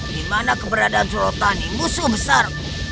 dimana keberadaan surotani musuh besar